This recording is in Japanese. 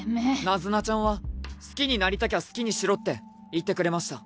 ナズナちゃんは「好きになりたきゃ好きにしろ」って言ってくれました。